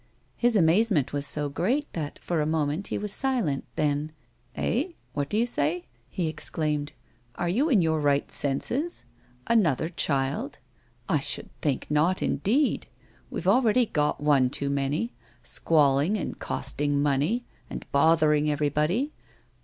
His amazement was so great, that, for a moment he was silent ; then :" Eh 1 What do you say !" he exclaimed. " Are you in your right senses 1 Another child 1 I should think not indeed ! We've already got one too many, squalling and costing money, and bothering everybody.